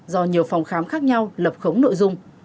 do nhiều phòng khám khác nhau lập khống nội dung